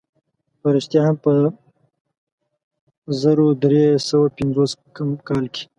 په رښتیا هم په زرو درې سوه پنځوسم کال کې.